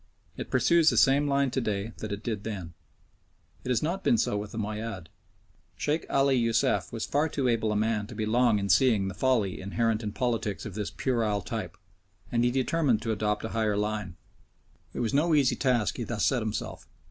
It pursues the same line to day that it did then. It has not been so with the Moayyad. Sheikh Ali Youssef was far too able a man to be long in seeing the folly inherent in politics of this puerile type, and he determined to adopt a higher line. It was no easy task he thus set himself.